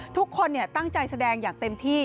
ทุกคนตั้งใจแสดงอย่างเต็มที่